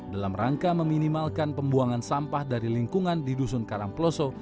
dalam rangka meminimalkan pembuangan sampah dari lingkungan di dusun karangploso